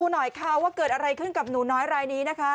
หน่อยค่ะว่าเกิดอะไรขึ้นกับหนูน้อยรายนี้นะคะ